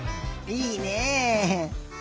いいねえ。